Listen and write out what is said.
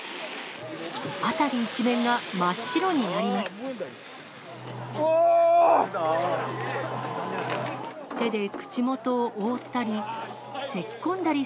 辺り一面が真っ白になります。